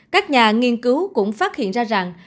các nhà nghiên cứu cũng phát hiện ra rằng